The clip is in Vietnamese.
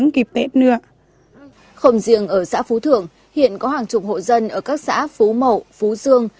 không riêng ở xã phú thượng hiện có hàng chục hộ dân ở các xã phú mậu phú dương